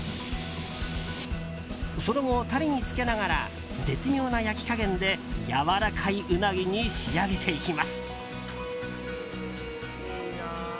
その後、たれにつけながら絶妙な焼き加減でやわらかいウナギに仕上げていきます。